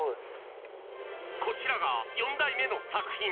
こちらが４代目の作品。